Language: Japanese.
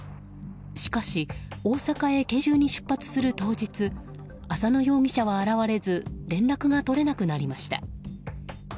しかし大阪へ研修に出発する当日浅野容疑者は現れず連絡が取れなくなりました。